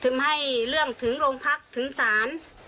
ให้เรื่องถึงโรงพักถึงศาล